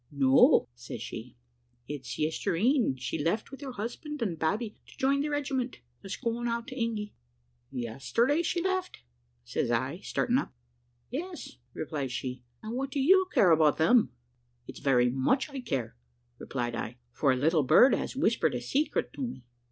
"`No,' says she; `it's yestreen she left with her husband and baby, to join the regiment that's going out to Ingy.' "`Yesterday she left?' says I, starting up. "`Yes,' replies she, `and what do you care about them?' "`It's very much I care,' replied I, `for a little bird has whispered a secret to me.'